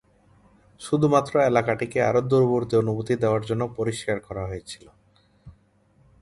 শুধুমাত্র এলাকাটিকে আরও দূরবর্তী অনুভূতি দেওয়ার জন্য পরিষ্কার করা হয়েছিল।